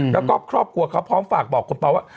แล้วก็ครอบครัวเขาพร้อมฝากบอกคุณปอว่า